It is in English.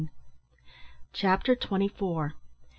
CHAPTER TWENTY FOUR.